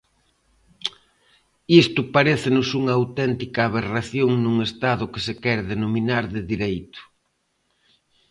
Isto parécenos unha auténtica aberración nun Estado que se quere denominar de Dereito.